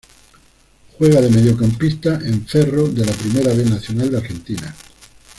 Juega de mediocampista en Ferro de la Primera B Nacional de Argentina.